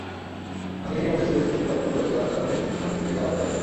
আমি এরই মধ্যে সুইস কর্তৃপক্ষকে বলেছি, দরকার হলেই আমাকে জিজ্ঞাসাবাদ করা যাবে।